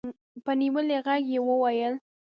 په نيولي غږ يې وويل.